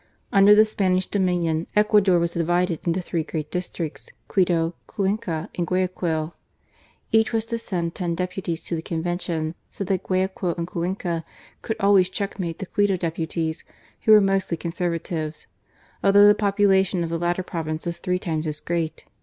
Under the Spanish dominion, Ecuador was divided into three great districts — Quito, Cuenca, and Guayaquil. Each was to send ten deputies to the Convention ; so that Guayaquil and Cuenca could always checkmate the Quito deputies, who were mostly Conservatives, although the popula lation of the latter province was three times as great.